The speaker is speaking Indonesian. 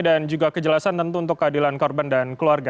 dan juga kejelasan tentu untuk keadilan korban dan keluarga